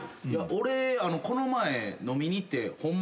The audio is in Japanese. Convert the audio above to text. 俺この前飲みに行ってホンマ